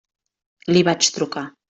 Li vaig trucar.